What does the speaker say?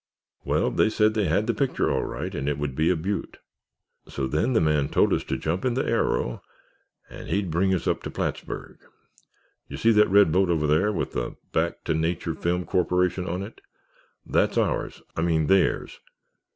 "Well, they said they had the picture all right and it would be a beaut'. So then the man told us to jump in the aero and he'd bring us up to Plattsburg. You see that red boat over there with Back to Nature Film Corporation on it? That's ours—I mean, theirs.